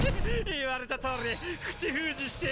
言われたとおり口封じしてやったぜ。